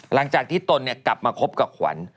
หลังจากที่ตนกลับมาคบกับขวัญ